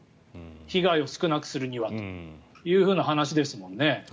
被害を少なくするにはという話ですよね。